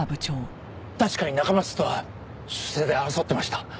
確かに中松とは出世で争ってました。